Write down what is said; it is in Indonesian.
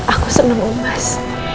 aku seneng sama mas